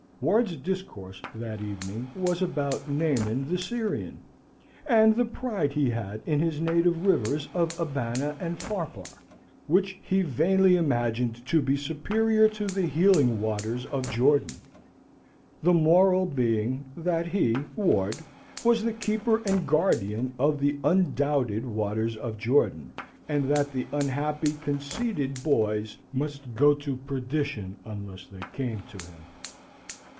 Ward's discourse that evening was about Naaman the Syrian, and the pride he had in his native rivers of Abana and Pharpar, which he vainly imagined to be superior to the healing waters of Jordan the moral being, that he, Ward, was the keeper and guardian of the undoubted waters of Jordan, and that the unhappy, conceited boys must go to perdition unless they came to him.